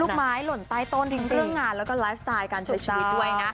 ไม้หล่นใต้ต้นทั้งเรื่องงานแล้วก็ไลฟ์สไตล์การใช้ชีวิตด้วยนะ